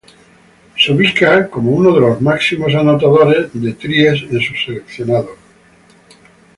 Se ubica como uno de los máximos anotadores de tries en su seleccionado.